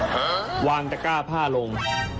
เหรอฮะวางตากก้าผ้าลง